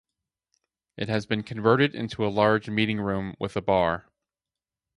It has been converted into a large meeting room with a bar.